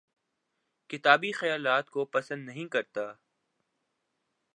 کتابی خیالات کو پسند نہیں کرتا